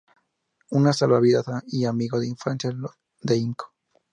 Un salvavidas y amigo de infancia de Eiko.